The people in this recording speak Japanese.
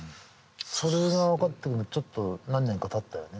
それが分かってくるのにちょっと何年かたったよね。